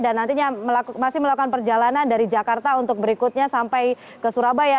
dan nantinya masih melakukan perjalanan dari jakarta untuk berikutnya sampai ke surabaya